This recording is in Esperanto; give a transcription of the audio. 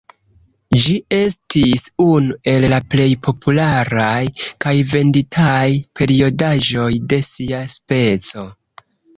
Ĝi estis unu el la plej popularaj kaj venditaj periodaĵoj de sia speco.